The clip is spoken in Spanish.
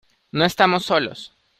no estamos solos.